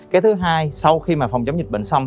cái thứ hai sau khi mà phòng chống dịch bệnh xong